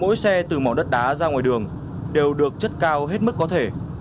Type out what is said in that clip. mỗi xe từ mỏ đất đá ra ngoài đường đều được chất cao hết mức có thể